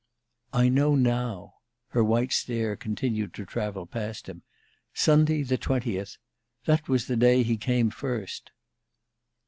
"I know now." Her white stare continued to travel past him. "Sunday, the 20th that was the day he came first."